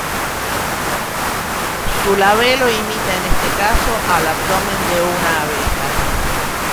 Su labelo imita en este caso al abdomen de una abeja.